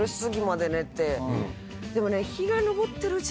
でもね。